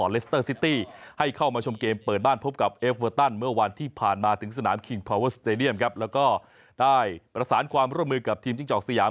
แล้วก็ได้ประสานพื้นความร่วมมือกับทีมจิ๊กจอกซีหยาม